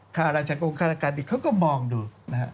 ข้าราชกรข้ารการิกเขาก็มองดู